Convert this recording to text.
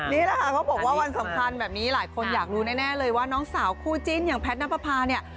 นี่แหละค่ะเขาบอกว่าวันสำคัญแบบนี้หลายคนอยากรู้แน่เลยว่าน้องสาวคู่จิ้นอย่างแพทย์นับประพาเนี่ย